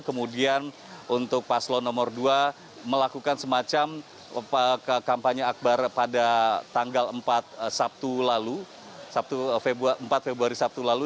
kemudian untuk paslon nomor dua melakukan semacam kampanye akbar pada tanggal empat februari sabtu lalu